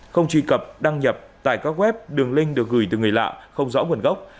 không truy cập đăng nhập tại các web đường link được gửi từ người lạ không rõ nguồn gốc